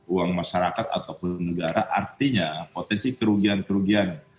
uang masyarakat ataupun negara artinya potensi kerugian kerugian